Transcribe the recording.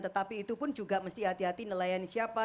tetapi itu pun juga mesti hati hati nelayan siapa